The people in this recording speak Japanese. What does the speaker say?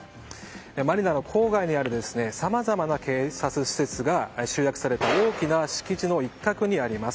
マニラの郊外にあるさまざまな警察施設が集約された大きな施設の一角にあります。